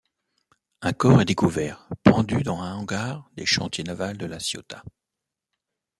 Un corps est découvert pendu dans un hangar des chantiers navals de La Ciotat.